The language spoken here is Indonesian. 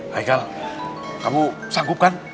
haikal kamu sanggup kan